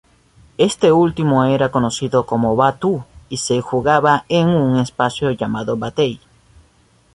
Este último era conocido como batú y se jugaba en un espacio llamado "batey".